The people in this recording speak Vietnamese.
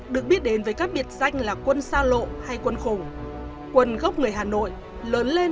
được biết đến với các biệt danh là quân sa lộ hay quân khùng quân gốc người hà nội lớn lên